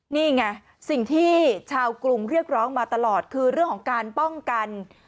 นี่ไงสิ่งที่ชาวกรุงเรียกร้องมาตลอดคือเรื่องของการป้องกัน